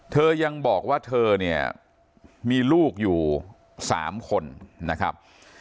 เธอยังบอกว่าเธอมีลูกอยู่สามคนนะครับ